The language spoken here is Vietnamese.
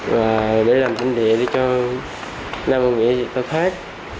và để làm tính địa để cho nam bà nghĩa tốt hết